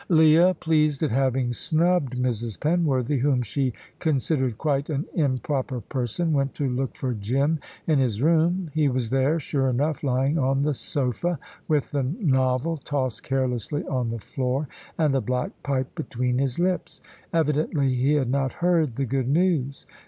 Leah, pleased at having snubbed Mrs. Penworthy, whom she considered quite an improper person, went to look for Jim in his room. He was there, sure enough, lying on the sofa with the novel tossed carelessly on the floor, and a black pipe between his lips. Evidently he had not heard the good news.